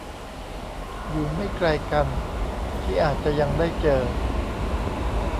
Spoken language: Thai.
อยู่ไม่ไกลกัน ที่อาจจะยังได้เจอ